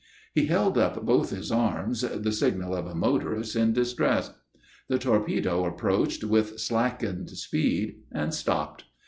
He held up both his arms, the signal of a motorist in distress. The torpedo approached with slackened speed, and stopped.